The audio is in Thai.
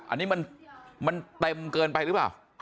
อันนี้มันเต็มเกินไปหรือเปล่า